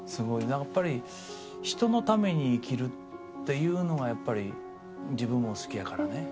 なんかやっぱり人のために生きるっていうのがやっぱり自分も好きやからね。